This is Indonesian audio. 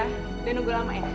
udah nunggu lama ya